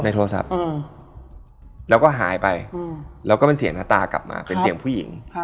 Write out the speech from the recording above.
โทรศัพท์แล้วก็หายไปแล้วก็เป็นเสียงหน้าตากลับมาเป็นเสียงผู้หญิง